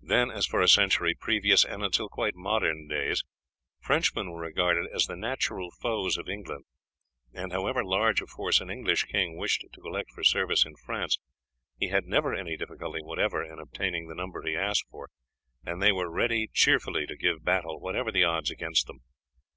Then, as for a century previous and until quite modern days, Frenchmen were regarded as the natural foes of England, and however large a force an English king wished to collect for service in France, he had never any difficulty whatever in obtaining the number he asked for, and they were ready cheerfully to give battle whatever the odds against them.